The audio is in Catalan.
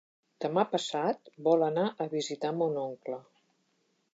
Demà passat vol anar a visitar mon oncle.